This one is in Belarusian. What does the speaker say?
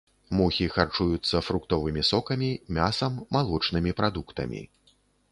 Мухі харчуюцца фруктовымі сокамі, мясам, малочнымі прадуктамі.